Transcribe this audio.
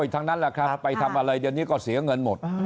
ทั้งนั้นแหละครับไปทำอะไรเดี๋ยวนี้ก็เสียเงินหมด